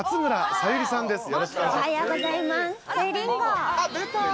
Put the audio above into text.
さゆりんご！